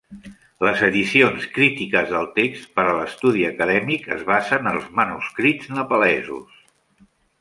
Les edicions crítiques del text, per a l'estudi acadèmic, es basen en els manuscrits nepalesos.